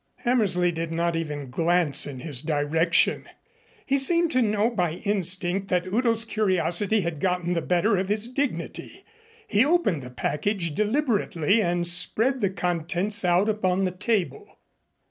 Hammersley did not even glance in his direction. He seemed to know by instinct that Udo's curiosity had gotten the better of his dignity. He opened the package deliberately and spread the contents out upon the table.